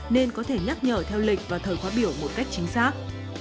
nên có thể nhắc nhở theo lịch và thời khóa biểu một cách chính xác